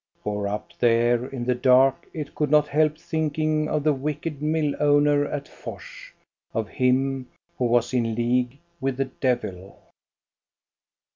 For up there in the dark it could not help thinking of the wicked mill owner at Fors, — of him who was in league with the devil.